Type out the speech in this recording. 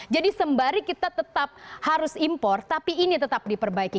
jadi sembari kita tetap harus impor tapi ini tetap diperbaiki